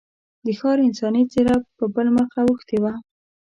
د ښار انساني څېره په بل مخ اوښتې وه.